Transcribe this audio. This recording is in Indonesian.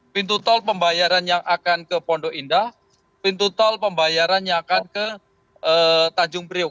pintu tol pembayaran yang akan ke pondok indah pintu tol pembayaran yang akan ke tanjung priok